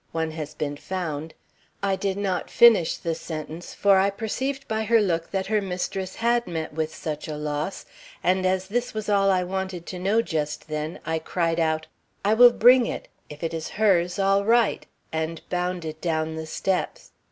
One has been found ' I did not finish the sentence, for I perceived by her look that her mistress had met with such a loss, and as this was all I wanted to know just then, I cried out, 'I will bring it. If it is hers, all right,' and bounded down the steps.